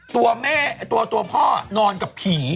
ตัวแม่ตัวพ่อนอนกับผี